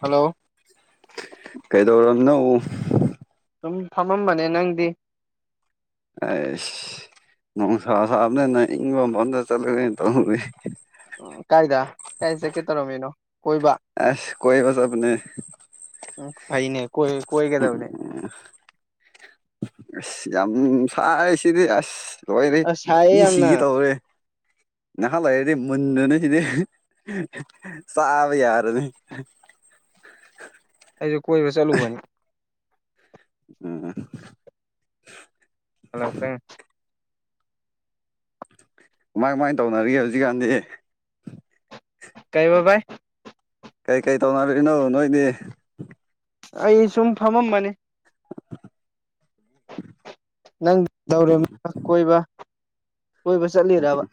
hello ꯀꯩꯗꯧꯔ ꯅ ꯑꯗꯨꯝ ꯐꯝꯃꯝꯕꯅꯦ ꯅꯪꯗꯤ ꯑꯦ ꯅꯅꯨꯡ ꯁꯥ ꯁꯥꯕꯅꯤꯅ ꯏꯕ ꯟꯗ ꯆꯠꯂ ꯇ ꯀꯥꯏꯗ ꯆꯠꯀꯦ ꯇꯧꯔꯝ ꯃꯤꯅꯣ ꯀꯣꯏꯕ ꯑꯁ ꯀꯣꯏꯕ ꯆꯠꯄꯅꯦ ꯎ ꯐꯩꯅꯦ ꯀꯣꯏ ꯎꯝ ꯀꯣꯏꯒꯗꯕꯅꯦ ꯑꯁ ꯌꯥꯝ ꯁꯔꯦ ꯁꯤꯗꯤ ꯑꯁ ꯂꯣꯏꯔꯦ ꯑꯁ ꯁꯥꯏꯌꯦ ꯃꯤ ꯁꯤꯒꯦ ꯌꯥꯝꯅ ꯇꯧꯔꯦ ꯅꯍꯥꯟꯋꯥꯔꯗꯤ ꯃꯨꯟꯗꯨꯅ ꯁꯤꯗꯤ ꯆꯥꯕ ꯌꯥꯔꯅꯤ [unintelligible] ꯑꯩꯁꯨ ꯀꯣꯏꯕ ꯆꯠꯂꯨꯕꯅꯤ ꯑꯣ ꯍꯦꯜꯂꯣ ꯇꯥꯏ ꯌꯦ ꯀꯃꯥꯏ ꯀꯃꯥꯏꯅ ꯇꯧꯅꯔꯤꯒꯦ ꯍꯧꯖꯤꯛꯀꯥꯟꯗꯤ ꯀꯩꯕꯕꯥꯥꯏ ꯀꯩꯀꯩ ꯇꯧꯅꯔꯤꯔꯤꯅꯣ ꯅꯣꯏꯗꯤ ꯑꯩ ꯁꯨꯝ ꯐꯝꯃꯝꯕꯅꯤ ꯅꯪ ꯇꯧꯔ ꯀꯣꯏꯕ ꯀꯣꯏꯕ ꯆꯠꯂꯤꯕ ꯑꯥ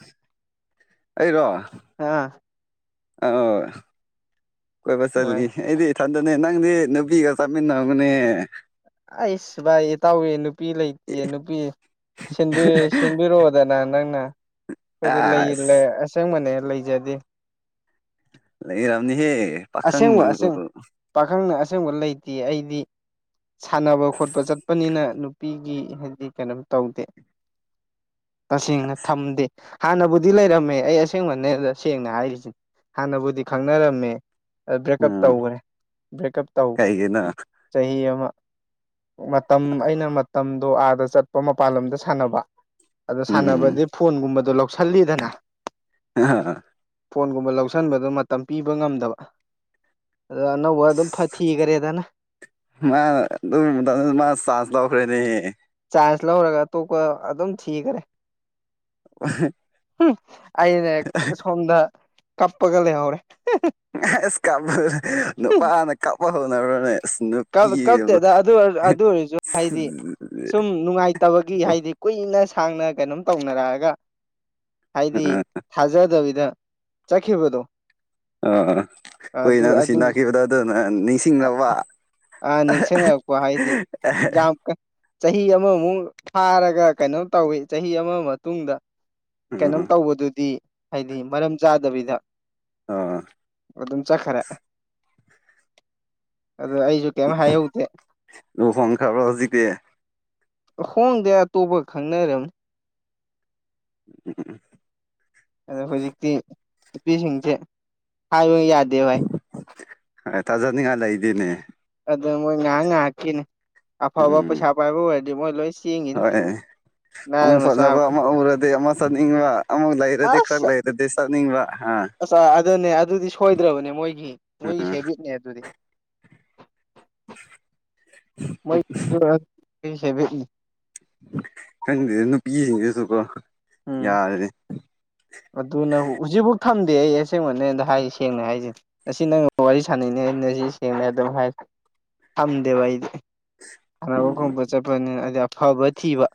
ꯑ ꯀꯣꯏꯕ ꯆꯠꯅꯤ ꯅꯨꯡꯉꯥꯏ ꯑꯩꯗꯤ ꯊꯥꯟꯗꯅꯦ ꯅꯪꯗꯤ ꯅꯨꯄꯤꯒ ꯆꯠꯃꯤꯟꯅꯒꯅꯦ ꯑꯩꯁ ꯚꯥꯏ ꯇꯥꯎꯋꯦ ꯅꯨꯄꯤ ꯂꯩꯇꯦ ꯅꯨꯄꯤ ꯁꯤꯟꯕꯤ ꯁꯤꯟꯕꯤꯔꯑꯣꯗꯅ ꯅꯪꯅ ꯍꯥꯏꯣꯏꯗꯤ ꯂꯩ ꯑꯁ ꯑꯁꯦꯡꯕꯅꯦ ꯂꯩꯖꯗꯦ ꯂꯩꯔꯝꯅꯤ ꯍꯦ ꯑꯁꯦꯡꯕ ꯑꯁꯦꯡ ꯄꯥꯈꯪꯅ ꯑꯁꯦꯡꯕ ꯂꯩ ꯑꯩꯗꯤ ꯁꯥꯟꯅꯕ ꯈꯣꯠꯄ ꯆꯠꯄꯅꯤꯅ ꯅꯨꯄꯤꯒꯤ ꯍꯥꯏꯗꯤ ꯀꯩꯅꯣꯝ ꯇꯧꯗꯦ ꯇꯁꯦꯡꯅ ꯊꯝꯗꯦ ꯍꯥꯟꯅꯕꯨꯗꯤ ꯂꯩꯔꯝꯃꯦ ꯑꯩ ꯑꯁꯦꯡꯕꯅꯦ ꯁꯦꯡꯅ ꯍꯥꯏꯔꯤꯁꯤꯦ ꯍꯥꯟꯅꯕꯨꯗꯤ ꯈꯪꯅꯔꯝꯃꯦ ꯕ꯭ꯔꯦꯛꯀꯞ ꯎꯝ ꯇꯧꯈ꯭ꯔꯦ ꯕ꯭ꯔꯦꯛꯀꯞ ꯇꯧꯈꯔꯦ ꯀꯩꯒꯤꯅꯣ ꯆꯍꯤ ꯑꯃ ꯃꯇꯝ ꯑꯩꯅ ꯃꯇꯝꯗꯣ ꯑꯥꯗ ꯆꯠꯄ ꯃꯄꯥꯟ ꯂꯝꯗ ꯁꯥꯟꯅꯕ ꯑꯗꯨ ꯎꯝ ꯁꯥꯟꯅꯕꯗꯤ ꯐꯣꯟꯒꯨꯝꯕꯗꯣ ꯂꯧꯁꯤꯜꯂꯤꯗꯅ ꯐꯣꯟꯒꯨꯝꯕ ꯂꯧꯁꯤꯟꯕꯗ ꯃꯇꯝ ꯄꯤꯕ ꯉꯝꯗꯕ ꯑꯗꯣ ꯑꯅꯧꯕ ꯑꯗꯨꯝ ꯐꯥꯠ ꯊꯤꯈꯔꯦꯗꯅ ꯃꯥ ꯑꯗꯨꯏ ꯃꯇꯝꯗꯨꯗꯥ ꯆꯥꯟꯁ ꯂꯧꯀꯔ꯭ꯦꯅꯦ ꯆꯥꯟꯁ ꯂꯧꯔꯒ ꯑꯇꯣꯞꯄ ꯑꯗꯨꯝ ꯊꯤꯈꯔꯦ [unintelligible] ꯎꯝ ꯑꯩꯅꯦ ꯁꯣꯝꯗ ꯀꯞꯄꯒ ꯂꯩꯍꯧꯔꯦ ꯑꯁ ꯀꯥꯞꯄ ꯅꯨꯄꯥꯅ ꯀꯥꯞꯄ ꯍꯧꯅꯕꯔꯥꯅꯦ ꯀꯞꯇꯦꯗ ꯑꯗꯨ ꯑꯣꯏꯔꯁꯨ ꯍꯥꯏꯗꯤ ꯁꯨꯝ ꯅꯨꯡꯉꯥꯏꯇꯕꯒꯤ ꯍꯥꯏꯗꯤ ꯀꯨꯏꯅ ꯁꯥꯡꯅ ꯀꯩꯅꯣꯝ ꯇꯧꯅꯔꯛꯑꯒ ꯍꯥꯏꯗꯤ ꯊꯥꯖꯗꯕꯤꯗ ꯆꯈꯤꯕꯗꯨ ꯑ ꯀꯨꯏꯅ ꯅꯨꯡꯁꯤ ꯑꯗꯨꯒꯤ ꯅꯥꯈꯤꯕꯗ ꯑꯗꯨꯅ ꯅꯤꯡꯁꯤꯡꯅꯕ ꯅꯤꯡꯁꯤꯡꯉꯛꯄ ꯍꯥꯏꯗꯤ ꯌꯥꯝ ꯆꯍꯤ ꯑꯃꯃꯨꯛ ꯐꯥꯔꯒ ꯀꯩꯅꯣ ꯇꯧꯏ ꯆꯍꯤ ꯑꯃ ꯃꯇꯨꯡꯗ ꯀꯩꯅꯣꯝ ꯎꯝ ꯇꯧꯕꯗꯨꯗꯤ ꯍꯥꯏꯗꯤ ꯃꯔꯝ ꯆꯥꯗꯕꯤꯗ ꯑ [unintelligible] ꯑꯗꯨꯝ ꯆꯠꯈꯔꯦ ꯑ ꯑꯩ ꯂꯨꯍꯣꯛꯈ꯭ꯔꯕꯥ ꯍꯧꯖꯤꯛꯇꯤ ꯑꯍꯣꯡꯗꯦ ꯑꯇꯣꯞꯄꯒ ꯈꯪꯅꯔꯝ ꯎ [unintelligible] ꯑꯗꯣ ꯍꯧꯖꯤꯛꯇꯤ ꯅꯨꯄꯤꯁꯤꯡꯁꯦ ꯍꯥꯏꯕ ꯌꯥꯗꯦꯚꯏ ꯍꯣꯏ ꯊꯥꯖꯅꯤꯡꯉꯥꯏ ꯂꯩꯗꯤꯅꯦ ꯑꯗꯣ ꯃꯣꯏ ꯉꯥꯏꯍꯥꯛ ꯉꯥꯏꯍꯥꯛꯀꯤꯅꯦ ꯑꯐꯕ ꯎꯝ ꯄꯩꯁꯥ ꯄꯥꯏꯕ ꯑꯣꯏꯔꯗꯤ ꯃꯣꯏ ꯂꯣꯏ ꯆꯦꯡꯒꯤꯅꯤ ꯑꯃꯛ ꯐꯖꯕ ꯑꯃ ꯎꯔꯗꯤ ꯑꯃꯨꯛ ꯆꯠꯅꯤꯡꯕ ꯑꯃꯨꯛ ꯂꯩꯔꯗꯤ ꯈꯔꯥ [inaudible] ꯂꯩꯔꯗꯤ ꯆꯠꯅꯤꯡꯕ ꯑ ꯑ ꯑꯗꯨꯅꯦ ꯑꯗꯨꯗꯤ ꯁꯣꯏꯗ꯭ꯔꯕꯅꯦ ꯃꯣꯏꯒꯤ ꯃꯣꯏꯒꯤ ꯍꯦꯕꯤꯠꯅꯦ ꯑꯗꯨꯗꯤ ꯎꯝ [unintelligible] ꯃꯣꯏ ꯍꯦꯕꯤꯠ ꯅꯦ [inaudible] ꯈꯪꯗꯦ ꯅꯨꯄꯤꯁꯤꯡꯗꯨꯁꯨꯀꯣ ꯎꯝ ꯌꯥꯔꯦ ꯑꯗꯨꯅ ꯍꯧꯖꯤꯛꯐꯥꯎ ꯊꯝꯗꯦ ꯑꯩ ꯑꯁꯦꯡꯕꯅꯦ ꯅꯥꯉꯣꯟꯗ ꯍꯥꯢꯁꯤ ꯁꯦꯡꯅ ꯍꯥꯏꯁꯦ ꯉꯁꯤ ꯅꯪ ꯋꯥꯔꯤ ꯁꯥꯟꯅꯩꯅꯦ ꯑꯩꯅ ꯁꯤ ꯁꯦꯡꯅ ꯑꯗꯨꯝ ꯍꯥꯏ ꯊꯝꯗꯦꯕ ꯑꯩꯗꯤ ꯁꯥꯟꯅꯕ ꯎꯝ ꯈꯣꯠꯕ ꯆꯠꯄꯅꯤꯅ ꯍꯥꯏꯗꯤ ꯑꯐꯕ ꯊꯤꯕ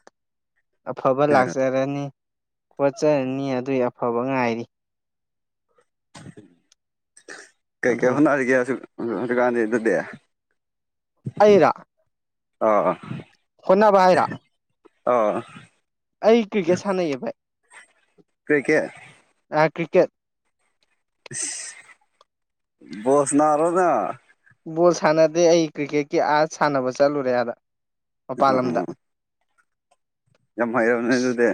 ꯑꯐꯕ ꯑ ꯂꯥꯛꯆꯔꯅꯤ ꯀꯣꯠꯆꯔꯥꯅꯤ [inaudible] ꯑꯗꯨꯒꯤ ꯑꯐꯕ ꯉꯥꯏꯔꯤ ꯀꯩ ꯀꯩ ꯑꯗꯨ ꯍꯣꯠꯅꯔꯤꯒꯦ ꯍꯧꯖꯤꯛ ꯎ ꯍꯧꯖꯤꯛꯀꯟꯁꯦ ꯑꯗꯨ [inaudible] ꯑꯩꯔꯣ ꯑ ꯑ ꯍꯣꯠꯅꯕꯥ ꯍꯥꯏꯔꯣ ꯑ [inaudible] ꯑꯩ ꯀ꯭ꯔꯤꯀꯦꯠ ꯁꯅꯩꯌꯦ ꯚꯥꯏ ꯀꯩꯀꯩ ꯀ꯭ꯔꯤꯀꯦꯠ ꯏꯁ ꯕꯣꯜꯂ ꯁꯥꯟꯅꯕꯔꯥ ꯅꯪ [inaudible] ꯐꯨꯠꯕꯣꯜ ꯁꯥꯟꯅꯗꯦ ꯑꯩ ꯀ꯭ꯔꯤꯛꯀꯦꯠꯀꯤ ꯑꯥ ꯁꯥꯟꯅꯕ ꯆꯠꯂꯨꯔꯦ ꯑꯥꯗꯥ ꯃꯄꯥꯜ ꯂꯝꯗ ꯎꯝ ꯌꯥꯝ ꯍꯩꯔꯝꯃꯅꯤ ꯑꯗꯨꯗꯤ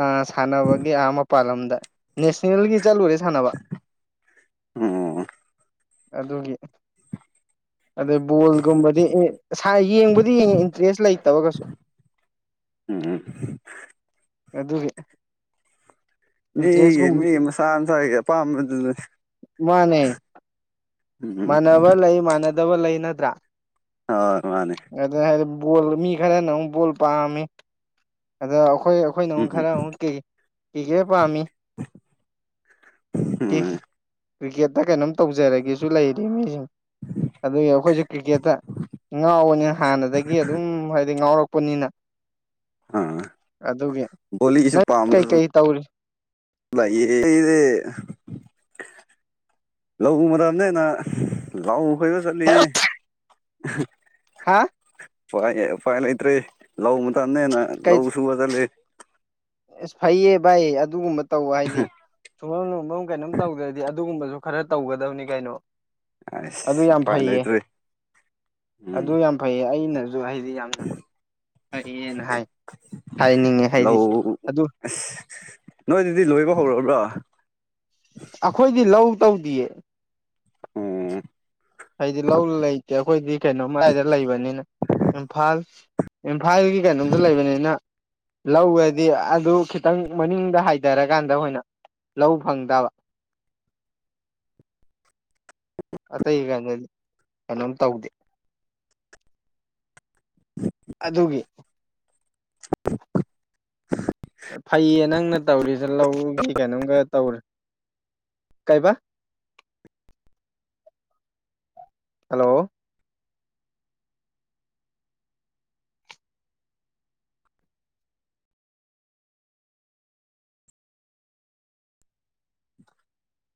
ꯑ ꯁꯥꯟꯅꯕꯒꯤ ꯑꯥ ꯃꯄꯥꯥꯜꯂꯝꯗ ꯅꯦꯁꯅꯦꯜꯒꯤ ꯆꯠꯂꯨꯔꯦ ꯁꯥꯟꯅꯕ ꯎꯝ ꯑꯗꯨꯒꯤ ꯑꯗꯣ ꯕꯣꯜꯒꯨꯝꯕꯗꯤ ꯑꯩ ꯌꯦꯡꯕꯗꯤ ꯏꯟꯇꯔꯦꯁ ꯂꯩꯇꯕ ꯀꯩꯁꯨ ꯎꯝ ꯑꯗꯨ ꯃꯤꯒꯤ ꯃꯤ ꯑꯃ ꯁꯥꯁꯥꯒꯤ ꯑꯄꯥꯝꯕꯗꯨꯗ ꯃꯥꯅꯦ ꯃꯥꯟꯅꯕ ꯂꯩ ꯃꯥꯟꯅꯗꯕ ꯂꯩ ꯅꯠꯇ꯭ꯔꯥ ꯍꯣꯏ ꯃꯥꯅꯦ ꯑꯗ ꯍꯥꯏꯗꯤ ꯕꯣꯜ ꯃꯤ ꯈꯔꯅ ꯑꯃꯨꯛ ꯕꯣꯜ ꯄꯥꯝꯃꯤ ꯑꯗ ꯑꯩꯈꯣꯏ ꯑꯩꯈꯣꯏꯅ ꯑꯃꯨꯛ ꯎꯝ ꯈꯔ ꯑꯃꯨꯛ ꯀ ꯀꯤꯒꯦ ꯄꯥꯝꯃꯤ ꯑꯝ ꯀ꯭ꯔꯤꯀꯦꯠꯇ ꯀꯩꯅꯣꯝ ꯇꯧꯖꯔꯒꯦꯁꯨ ꯂꯩꯔꯤ ꯃꯤꯁꯤꯡ ꯑꯗꯨꯒꯤ ꯑꯩꯈꯣꯏꯁꯨ ꯀ꯭ꯔꯤꯛꯀꯦꯠꯇ ꯉꯥꯎꯕꯅꯤ ꯍꯥꯟꯅꯗꯒꯤ ꯑꯗꯨꯝ ꯍꯥꯏꯗꯤ ꯉꯥꯎꯔꯛꯄ ꯄꯨꯅꯤꯅ ꯑꯥ ꯑꯗꯨꯒꯤ ꯅꯪ ꯀꯩꯀꯩ ꯇꯧꯔꯤ [unintelligible] ꯂꯧꯎ ꯃꯇꯝꯅꯦꯅ ꯂ ꯀꯩꯕ ꯆꯠꯂꯤꯌꯦ [unintelligible] ꯍꯥ [inaudible] ꯎꯥꯏ ꯎꯄꯥꯏ ꯂꯩꯇ꯭ꯔꯦ ꯂꯧ ꯃꯇꯝꯅꯦꯦꯅ ꯂꯧ ꯀꯩ ꯁꯨꯕ ꯆꯠꯂ ꯑꯁ ꯐꯩꯌꯦ ꯚꯥꯏꯌꯦ ꯑꯗꯨꯒꯨꯝꯕ ꯇꯧꯕ ꯍꯥꯏꯗꯤ ꯁꯨꯝꯕ ꯂꯣꯕꯝ ꯀꯩꯅꯣꯝ ꯇꯧꯗ꯭ꯔꯗꯤ ꯑꯗꯨꯒꯨꯝꯕꯁꯨ ꯈꯔ ꯇꯧꯒꯗꯕꯅꯤ ꯀꯩꯅꯣ ꯑꯗꯨ ꯑꯁ ꯌꯥꯝ ꯎꯄꯥꯏ ꯐꯩꯌꯦ ꯂꯩꯇ꯭ꯔꯔꯤ ꯑꯗꯨ ꯌꯥꯝ ꯐꯩꯌꯦ ꯑꯩꯅꯁꯨ ꯑꯩꯗꯤ ꯌꯥꯝꯅ ꯐꯩꯌꯦꯅ ꯍꯥꯏ ꯍꯥꯏꯅꯤꯡꯉꯦ ꯍꯥꯏꯗꯤ ꯑꯣ ꯑꯗꯨ ꯑꯁ ꯅꯣꯏꯗꯨꯗꯤ ꯂꯣꯏꯕ ꯍꯧꯔꯔꯕ꯭ꯔꯣ ꯑꯩꯈꯣꯏꯗꯤ ꯂꯧ ꯇꯧꯗꯌꯦ ꯎꯝ ꯍꯥꯏꯗꯤ ꯂꯧ ꯂꯩꯇꯦ ꯑꯩꯈꯣꯏꯗꯤ ꯀꯩꯅꯣ ꯃꯔꯥꯏꯗ ꯂꯩꯕꯅꯤꯅ ꯏꯝꯐꯥꯜ ꯏꯝꯐꯥꯜꯒꯤ ꯀꯩꯅꯣꯝꯇ ꯂꯩꯕꯅꯤꯅ ꯂꯧꯔꯗꯤ ꯑꯗꯨ ꯈꯤꯇꯪ ꯃꯅꯤꯡꯗ ꯍꯥꯏꯊꯔꯀꯥꯟꯗ ꯑꯩꯈꯣꯏꯅ ꯂꯧ ꯐꯪꯗꯕ [inaudible] ꯑꯇꯩ ꯀꯩꯅꯗ ꯀꯩꯅꯣꯝ ꯇꯧꯗꯦ ꯑꯗꯨꯒꯤ [unintelligible] ꯐꯩꯌꯦ ꯅꯪꯅ ꯇꯧꯔꯤꯁꯦ ꯂꯧꯒꯤ ꯀꯩꯅꯣꯝꯒ ꯇꯧꯔꯦ ꯀꯥꯏꯕꯥ ꯍꯜꯂꯣ